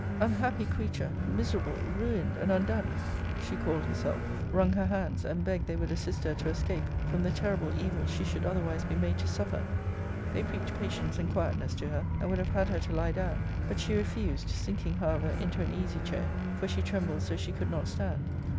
Unhappy creature! miserable! ruined! and undone! she called herself; wrung her hands, and begged they would assist her to escape from the terrible evils she should otherwise be made to suffer. They preached patience and quietness to her; and would have had her to lie down: but she refused; sinking, however, into an easy chair; for she trembled so she could not stand.